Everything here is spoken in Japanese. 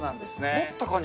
持った感じ